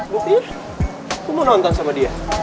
buktinya gue mau nonton sama dia